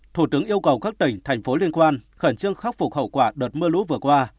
thủ tướng yêu cầu các tỉnh thành phố liên quan khẩn trương khắc phục hậu quả đợt mưa lũ vừa qua